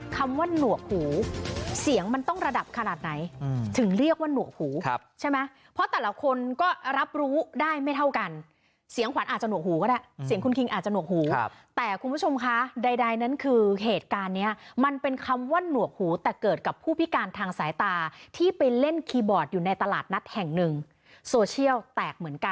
คำว่าหนวกหูเสียงมันต้องระดับขนาดไหนถึงเรียกว่าหนวกหูใช่ไหมเพราะแต่ละคนก็รับรู้ได้ไม่เท่ากันเสียงขวัญอาจจะหวกหูก็ได้เสียงคุณคิงอาจจะหนวกหูแต่คุณผู้ชมคะใดนั้นคือเหตุการณ์เนี้ยมันเป็นคำว่าหนวกหูแต่เกิดกับผู้พิการทางสายตาที่ไปเล่นคีย์บอร์ดอยู่ในตลาดนัดแห่งหนึ่งโซเชียลแตกเหมือนกัน